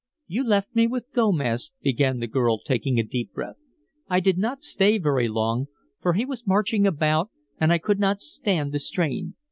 "You left me with Gomez," began the girl, taking a deep breath. "I did not stay very long, for he was marching about, and I could not stand the strain.